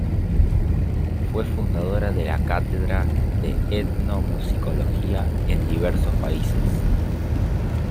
Fue fundadora de la cátedra de etnomusicología en diversos países.